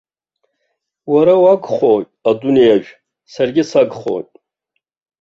Уара уагхоит адунеиажә, саргьы сагхоит.